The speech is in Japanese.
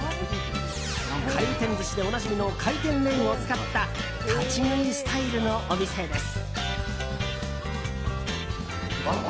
回転寿司でおなじみの回転レーンを使った立ち食いスタイルのお店です。